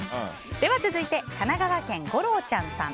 では続いて、神奈川県の方。